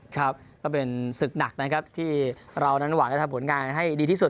ครับก็เป็นศึกหนักนะครับที่เรานั้นหวังจะทำผลงานให้ดีที่สุด